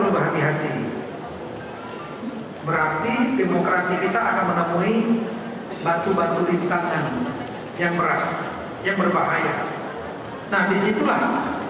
berarti demokrasi kita akan menemui batu batu lintangan yang berat yang berbahaya nah disitulah